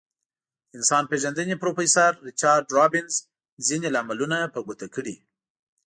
د انسان پیژندنې پروفیسور ریچارد رابینز ځینې لاملونه په ګوته کړي.